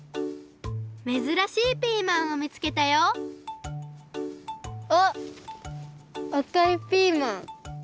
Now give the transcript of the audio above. めずらしいピーマンをみつけたよあっあかいピーマン。